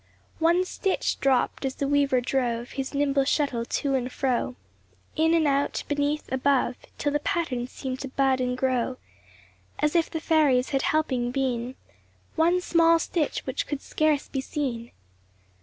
;|NE stitch dropped as the weaver drove His nimble shuttle to and fro, In and out, beneath, above, Till the pattern seemed to bud and grow As if the fairies had helping been, One small stitch which could scarce be seen.